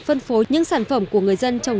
phân phối những sản phẩm của người dân trồng